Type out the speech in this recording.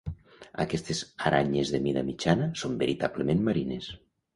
Aquestes aranyes de mida mitjana són veritablement marines.